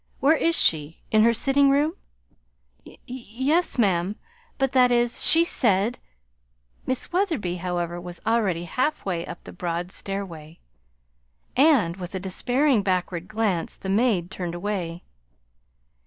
"Where is she in her sitting room?" "Y yes, ma'am; but that is, she said " Miss Wetherby, however, was already halfway up the broad stairway; and, with a despairing backward glance, the maid turned away.